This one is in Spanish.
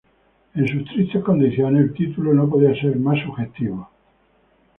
En sus tristes condiciones, el título no podía ser más sugestivo.